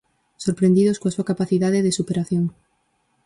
Sorprendidos coa súa capacidade de superación.